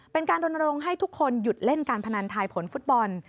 เป็นการรณรงค์ให้ทุกคนหยุดเล่นการพนันทายผลฟุตบอล